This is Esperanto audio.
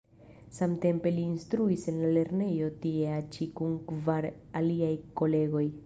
Samtempe li instruis en la lernejo tiea ĉi kun kvar aliaj kolegoj.